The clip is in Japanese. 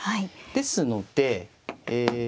ですのでえ